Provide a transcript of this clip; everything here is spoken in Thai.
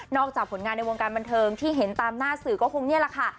จากผลงานในวงการบันเทิงที่เห็นตามหน้าสื่อก็คงนี่แหละค่ะ